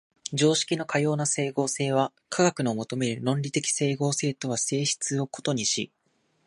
常識のかような斉合性は科学の求める論理的斉合性とは性質を異にし、